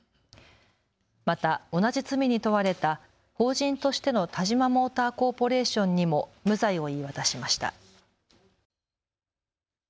また、同じ罪に問われた法人としてのタジマモーターコーポレーションにも無罪を言い渡しました。